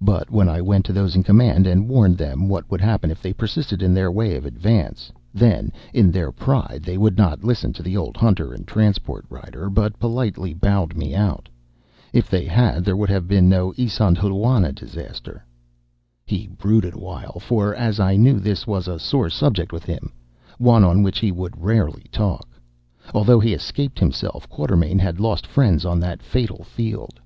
But when I went to those in command and warned them what would happen if they persisted in their way of advance, then in their pride they would not listen to the old hunter and transport rider, but politely bowed me out. If they had, there would have been no Isandhlwana disaster." He brooded awhile, for, as I knew, this was a sore subject with him, one on which he would rarely talk. Although he escaped himself, Quatermain had lost friends on that fatal field.